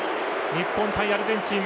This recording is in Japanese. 日本対アルゼンチン。